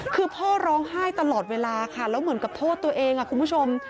คือพ่อร้องไห้ตลอดเวลาค่ะแล้วเหมือนกับโทษตัวเองคุณผู้ชม